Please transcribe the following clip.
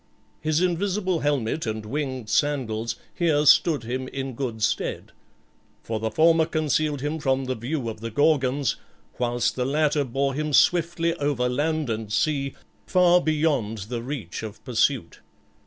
His invisible helmet and winged sandals here stood him in good stead; for the former concealed him from the view of the Gorgons, whilst the latter bore him swiftly over land and sea, far beyond the reach of pursuit.